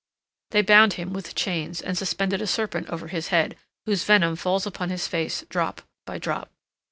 They bound him with chains and suspended a serpent over his head, whose venom falls upon his face drop by drop.